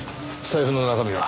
財布の中身は？